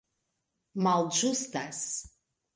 malĝustas